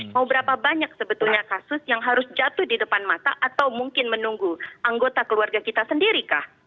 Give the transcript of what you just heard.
mau berapa banyak sebetulnya kasus yang harus jatuh di depan mata atau mungkin menunggu anggota keluarga kita sendiri kah